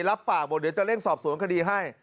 รับปากบอกเดี๋ยวจะเร่งสอบสวนคดีให้